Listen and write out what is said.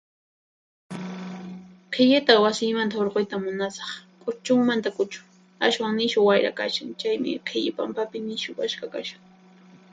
Qhillita wasiymanta hurquyta munasaq, k'uchunmanta k'uchu; ashwan nishu wayra kashan, chaymi qhilli pampapi nishu ashkha kashan.